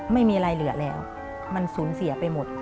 ไม่มีอะไรเหลือแล้วมันสูญเสียไปหมด